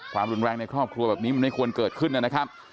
ความรุนแรงในครอบครัวแบบนี้มันไม่ควรเกิดขึ้นนะครับ